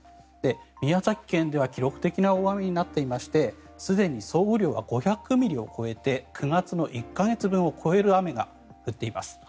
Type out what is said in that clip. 宮崎県では記録的な大雨となっていましてすでに総雨量は５００ミリを超えて９月の１か月分を超える雨が降っています。